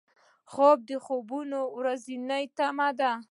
خوب د خوبو ورځو تمه ده